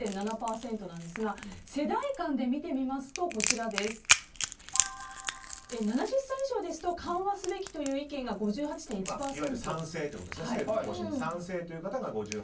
５０．７％なんですが世代間で見てみますと７０歳以上ですと緩和すべきという意見が政府の方針に賛成という方が５８．１％。